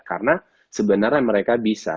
karena sebenarnya mereka bisa